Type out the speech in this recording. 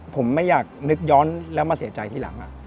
ผมไม่อยากนึกย้อนแล้วมาเสียใจทีหลัง